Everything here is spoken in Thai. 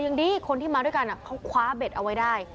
ยังดีคนที่มาด้วยกันเขาคว้าเบ็ดเอาไว้ได้